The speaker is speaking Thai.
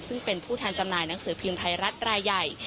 ซึ่งเป็นผู้แทนจำหน่ายหนังสือพิมพ์ไทยรัฐรายใหญ่